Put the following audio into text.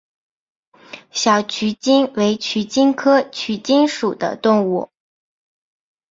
小鼩鼱为鼩鼱科鼩鼱属的动物。